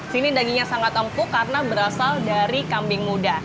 sini dagingnya sangat empuk karena berasal dari kambing muda